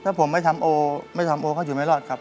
ถ้าผมไม่ทำโอไม่ทำโอเขาอยู่ไม่รอดครับ